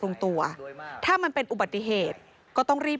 มันมีโอกาสเกิดอุบัติเหตุได้นะครับ